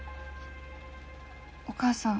お母さん。